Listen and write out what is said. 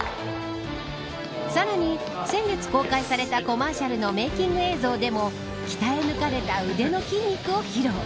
さらに先月公開されたコマーシャルのメイキング映像でも鍛え抜かれた腕の筋肉を披露。